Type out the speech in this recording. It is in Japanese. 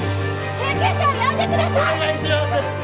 救急車を呼んでください！